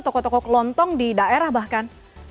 toko toko kelontong di daerah bahkan